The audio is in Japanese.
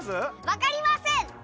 わかりません。